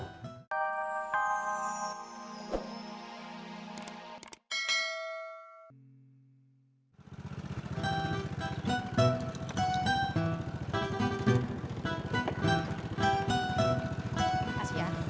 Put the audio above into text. mak kasih ya